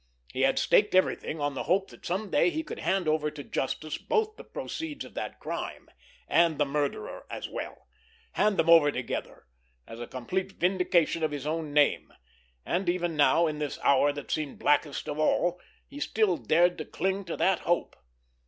He had staked everything on the hope that some day he could hand over to justice both the proceeds of that crime and the murderer as well—hand them over together, as a complete vindication of his own name—and even now, in this hour that seemed blackest of all, he still dared to cling to that hope.